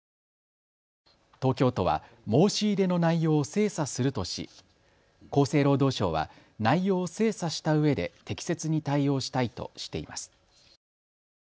東京都は申し入れの内容を精査するとし厚生労働省は内容を精査したうえで適切に対応したいとしています。